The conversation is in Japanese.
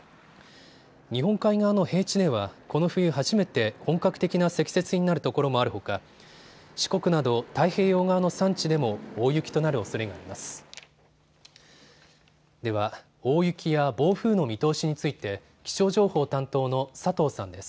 日本海側の平地ではこの冬初めて本格的な積雪になるところもあるほか四国など太平洋側の山地でも大雪となるおそれがあります。